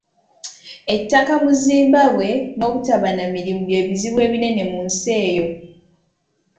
Ettaka mu Zimbabwe n’obutaba na mirimu bye bizibu ebinene mu nsi eyo.